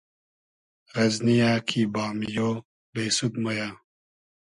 غئزنی یۂ کی بامیۉ , بېسود مۉ یۂ